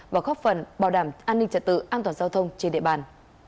và góp phần bảo đảm an ninh trật tự an toàn giao thông trên địa bàn